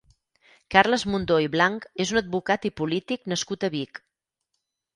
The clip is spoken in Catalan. Carles Mundó i Blanch és un advocat i polític nascut a Vic.